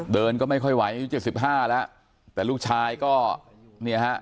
เดินก็ไม่ค่อยไหวอายุเจ็ดสิบห้าแต่ลูกชายก็คุณพ่อนะฮะ